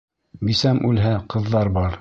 Бисәм үлһә, ҡыҙҙар бар!